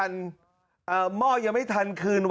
แถลงการแนะนำพระมหาเทวีเจ้าแห่งเมืองทิพย์